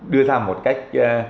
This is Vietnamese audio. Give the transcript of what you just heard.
đưa ra một cách